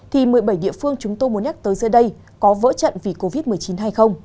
thì một mươi bảy địa phương chúng tôi muốn nhắc tới giờ đây có vỡ trận vì covid một mươi chín hay không